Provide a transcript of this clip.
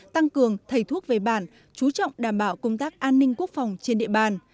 tăng cường thầy thuốc về bản chú trọng đảm bảo công tác an ninh quốc phòng trên địa bàn